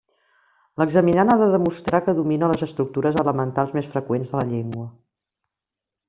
L'examinand ha de demostrar que domina les estructures elementals més freqüents de la llengua.